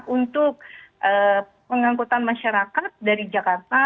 untuk pengangkutan masyarakat dari jakarta